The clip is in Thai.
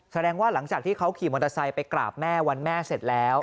แสดงว่าหลังจากที่เขาขี่มอเตอร์ไซค์ไปกราบแม่วันแม่เสร็จแล้ว